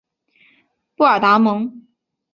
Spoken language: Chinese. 布尔达蒙。